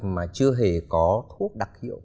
mà chưa hề có thuốc đặc hiệu